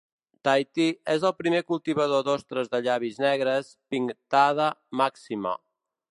Tahití és el primer cultivador d'ostres de llavis negres "Pinctada maxima".